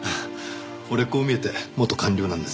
俺こう見えて元官僚なんです。